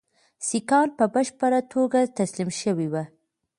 سیکهان په بشپړه توګه تسلیم شوي وي.